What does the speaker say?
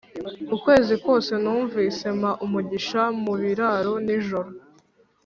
ukwezi kwose numvise, mpa umugisha mubiraro, nijoro